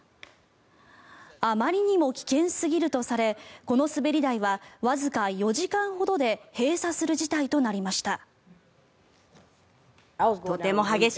あまりにも危険すぎるとされこの滑り台はわずか４時間ほどで閉鎖する事態となりました。